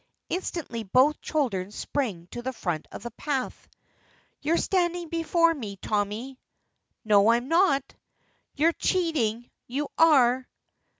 Instantly both children spring to the front of the path. "You're standing before me, Tommy." "No, I'm not." "You're cheating you are!"